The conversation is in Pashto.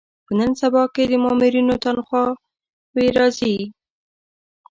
په نن سبا کې د مامورینو تنخوا وې راځي.